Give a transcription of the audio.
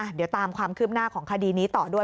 เดี๋ยวตามความคืบหน้าของคดีนี้ต่อด้วย